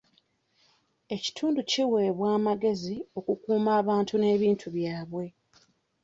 Ekitundu kiwebwa amagezi okukuuma abantu n'ebintu byabwe.